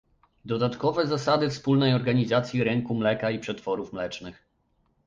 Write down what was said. Dodatkowe zasady wspólnej organizacji rynku mleka i przetworów mlecznych